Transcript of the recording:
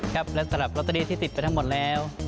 ครับและสำหรับลอตเตอรี่ที่ติดไปทั้งหมดแล้ว